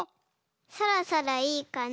そろそろいいかな。